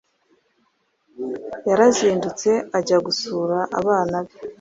yarazindutse ajya gusura abana be